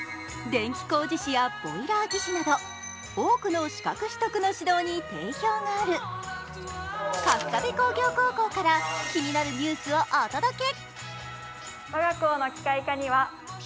電気工事士やボイラー技士など多くの資格取得の指導に定評がある、春日部工業高校から気になるニュースをお届け。